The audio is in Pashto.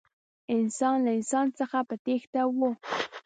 انسان له انسان څخه په تېښته و.